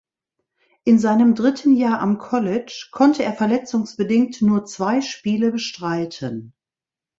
In seinem dritten Jahr am College konnte er verletzungsbedingt nur zwei Spiele bestreiten.